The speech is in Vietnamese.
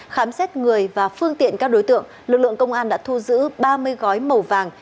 khám xét người và phương tiện các đối tượng lực lượng công an đã thu giữ ba mươi gói màu vàng